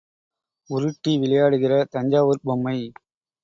உருட்டி விளையாடுகிற தஞ்சாவூர்ப் பொம்மை.